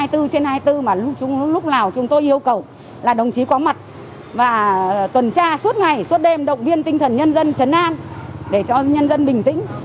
hai mươi bốn trên hai mươi bốn mà lúc nào chúng tôi yêu cầu là đồng chí có mặt và tuần tra suốt ngày suốt đêm động viên tinh thần nhân dân chấn an để cho nhân dân bình tĩnh